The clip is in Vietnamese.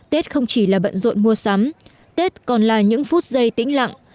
tết không chỉ là bận rộn mua sắm tết còn là những phút giây tĩnh lặng